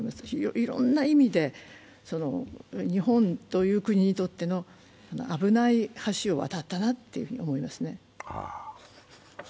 いろんな意味で日本という国にとっての、危ない橋を渡ったなと思いますね。